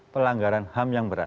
pelanggaran ham yang berat